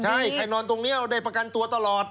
ใช่ใครนอนตรงนี้เราได้ประกันตัวตลอด